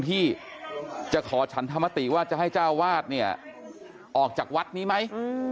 ที่จะขอฉันธรรมติว่าจะให้เจ้าวาดเนี่ยออกจากวัดนี้ไหม